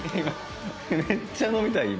めっちゃ飲みたい今。